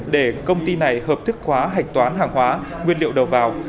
để công ty này hợp thức hóa hạch toán hàng hóa nguyên liệu đầu vào